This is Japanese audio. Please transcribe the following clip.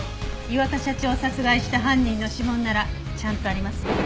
磐田社長を殺害した犯人の指紋ならちゃんとありますよ。